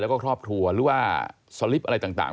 แล้วก็ครอบครัวหรือว่าสลิปอะไรต่าง